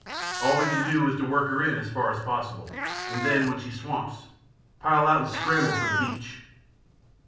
All we can do is to work her in as far as possible, and then when she swamps, pile out and scramble for the beach.